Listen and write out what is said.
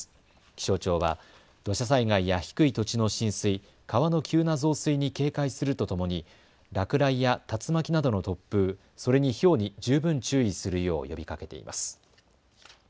気象庁は土砂災害や低い土地の浸水、川の急な増水に警戒するとともに落雷や竜巻などの突風、それにひょうに十分注意するよう呼びかけています。